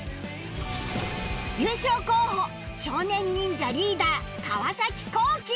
優勝候補少年忍者リーダー川皇輝